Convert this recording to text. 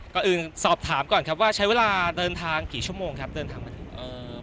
ก่อนอื่นสอบถามก่อนครับว่าใช้เวลาเดินทางกี่ชั่วโมงครับเดินทางมาถึง